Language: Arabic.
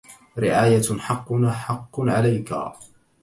رعاية حقنا حق عليكا